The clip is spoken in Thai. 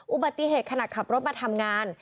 อุบัติเหตุขณะขับรถมาทำงาน